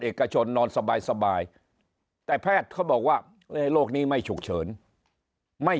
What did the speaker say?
เอกชนนอนสบายแต่แพทย์เขาบอกว่าโรคนี้ไม่ฉุกเฉินไม่